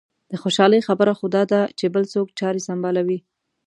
د خوشالۍ خبره خو دا ده چې بل څوک چارې سنبالوي.